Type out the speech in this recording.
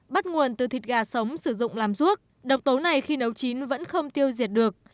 bắt nguồn từ thịt gà sống sử dụng làm ruốc độc tố này khi nấu chín vẫn không tiêu diệt được